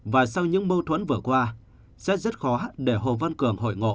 và sau những mâu thuẫn vừa qua sẽ rất khó để hồ văn cường hội ngộ